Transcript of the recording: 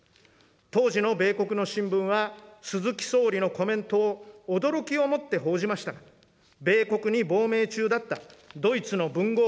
当時の米国の新聞は、鈴木総理のコメントを、驚きをもって報じましたが、米国に亡命中だったドイツの文豪、